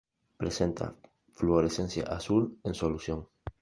Presenta fluorescencia azul en solución.